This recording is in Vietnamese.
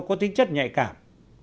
có tính chất nhạy cảm